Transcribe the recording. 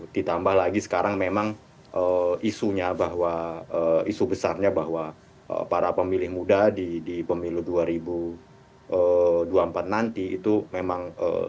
ditambah lagi sekarang memang isunya bahwa isu besarnya bahwa para pemilih muda di pemilu dua ribu dua puluh empat nanti itu memang